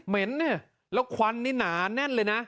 เห็นเนี่ยแล้วควันนี่หนาแน่นเลยนะ